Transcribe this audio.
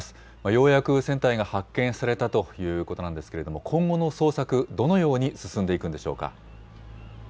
ようやく船体が発見されたということなんですけれども、今後の捜索、どのように進んでいくんでしょうか。